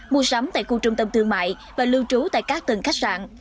mua sắm tại khu trung tâm thương mại và lưu trú tại các tầng khách sạn